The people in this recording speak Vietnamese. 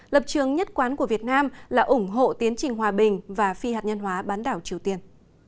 lập trường nhất quán của việt nam là ủng hộ tiến trình hòa bình và phi hạt nhân hóa bán đảo triều tiên